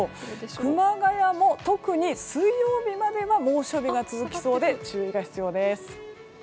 熊谷も特に水曜日までは猛暑日が続きそうで注意が必要です。